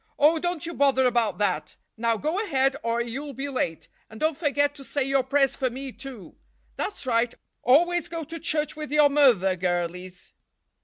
"Oh, don't you bother about that. Now go ahead or you'll be late, and don't forget to say your prayers for me, too. That's right, always go to church with your mother, girlies."